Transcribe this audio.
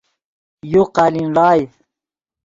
یو قالین ڑائے